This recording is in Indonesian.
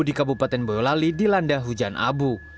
di kabupaten boyolali dilanda hujan abu